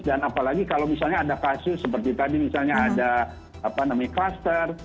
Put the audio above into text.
dan apalagi kalau misalnya ada kasus seperti tadi misalnya ada apa namanya cluster